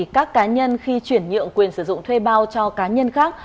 các cá nhân khi chuyển nhượng quyền sử dụng thuê bao cho cá nhân khác